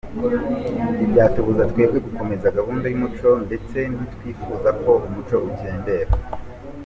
ntibyatubuza twebwe gukomeza gahunda y’umuco ndetse ntitwifuza ko umuco ukendera”.